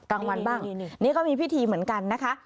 กลางวันบ้างนี่ก็มีพิธีเหมือนกันนะคะ